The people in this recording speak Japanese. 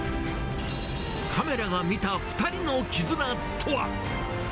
カメラが見た２人の絆とは。